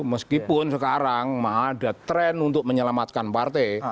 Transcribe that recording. meskipun sekarang ada tren untuk menyelamatkan partai